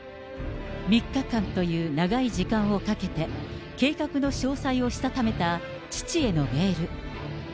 ３日間という長い時間をかけて、計画の詳細をしたためた父へのメール。